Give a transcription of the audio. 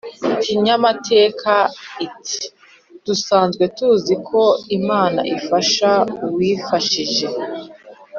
kinyamateka iti: “dusanzwe tuzi ko imana ifasha uwifashije